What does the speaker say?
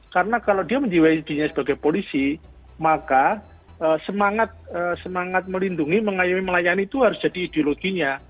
karena kalau dia menjiwai dirinya sebagai polisi maka semangat melindungi mengayomi melayani itu harus jadi ideologinya